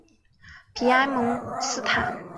侯爵领地现在隶属于皮埃蒙特大区。